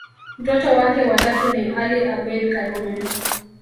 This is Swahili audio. Mtoto wake wa tatu ni Ali Abeid Karume